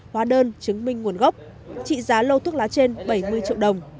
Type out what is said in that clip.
hóa đơn chứng minh nguồn gốc trị giá lô thuốc lá trên bảy mươi triệu đồng